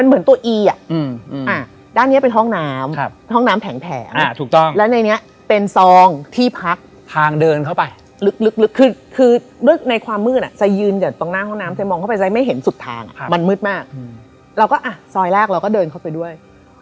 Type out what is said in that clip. มันคือมหัดไทย